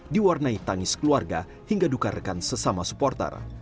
diwarnai tangis keluarga hingga duka rekan sesama supporter